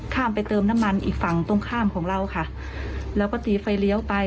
ข้ามไปเติมน้ำมันอีกฝั่งตรงข้ามของเราค่ะแล้วก็ตีไฟเลี้ยวไป